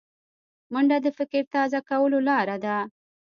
منډه د فکر تازه کولو لاره ده